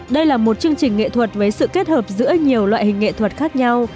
đây là một chương trình nghệ thuật với sự kết hợp giữa nhiều loại hình nghệ thuật khác nhau